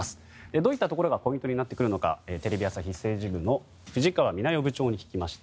どういったところがポイントになるのかテレビ朝日政治部の藤川みな代部長に聞きました。